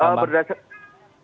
penumpang tujuan bandung